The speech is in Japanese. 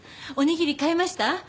おにぎり買えました？